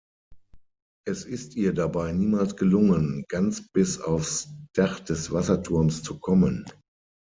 Es ist ihr dabei niemals gelungen, ganz bis aufs Dach des Wasserturms zu kommen.